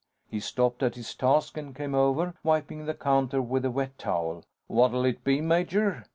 He stopped at his task and came over, wiping the counter with a wet towel. "What'll it be, major?"